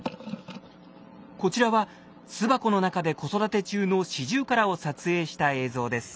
こちらは巣箱の中で子育て中のシジュウカラを撮影した映像です。